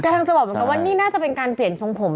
กำลังจะบอกว่านี่น่าจะเป็นการเปลี่ยนช่องผม